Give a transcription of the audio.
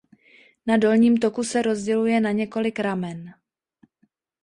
Na dolním toku se rozděluje na několik ramen.